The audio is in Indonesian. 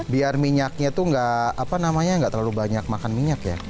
biar minyaknya tuh gak apa namanya nggak terlalu banyak makan minyak ya